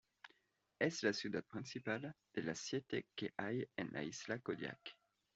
Es la ciudad principal de las siete que hay en la isla Kodiak.